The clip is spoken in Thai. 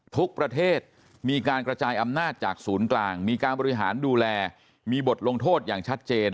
ทุกประเทศมีการกระจายอำนาจจากศูนย์กลางมีการบริหารดูแลมีบทลงโทษอย่างชัดเจน